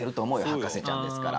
博士ちゃんですから。